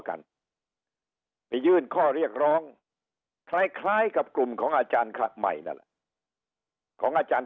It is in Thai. กันไปยื่นข้อเรียกร้องคล้ายกับกลุ่มของอาจารย์ของอาจารย์